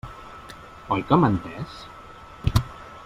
Oi que m'ha entès?